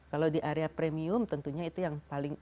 kalau di area premium tentunya itu yang paling